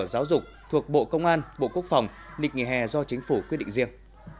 giáo dục thuộc bộ công an bộ quốc phòng lịch nghỉ hè do chính phủ quyết định riêng